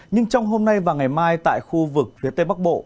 nhưng trong hôm nay và ngày mai tại khu vực phía tây bắc bộ